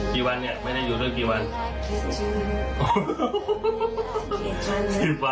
กี่วันเนี่ยไม่ได้อยู่ด้วยกี่วัน